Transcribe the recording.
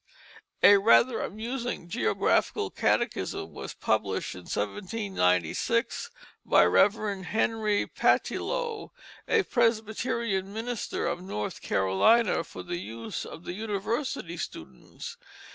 A rather amusing Geographical Catechism was published in 1796, by Rev. Henry Pattillo, a Presbyterian minister of North Carolina, for the use of the university students.